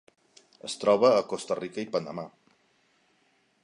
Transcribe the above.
Es troba a Costa Rica i Panamà.